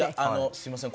すいません